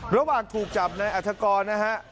ระหว่างถูกจับนายอัฐกรนะครับ